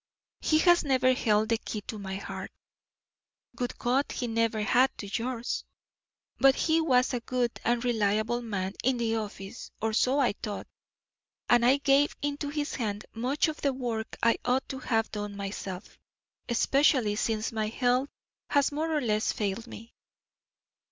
He has never held the key to my heart; would God he never had to yours! But he was a good and reliable man in the office, or so I thought, and I gave into his hand much of the work I ought to have done myself, especially since my health has more or less failed me.